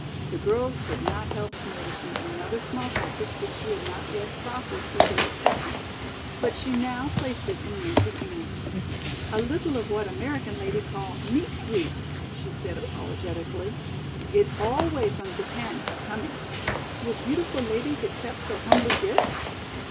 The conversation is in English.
The girls could not help noticing another small package which she had not yet proffered for their acceptance. But she now placed it in Nance's hand. "A little of what American lady call 'meat sweet,'" she said apologetically. "It all way from Japan have coming. Will beautiful ladies accept so humbly gift?"